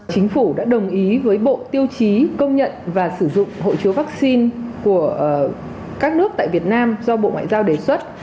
chính phủ đã đồng ý với bộ tiêu chí công nhận và sử dụng hộ chiếu vaccine của các nước tại việt nam do bộ ngoại giao đề xuất